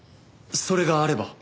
それがあれば。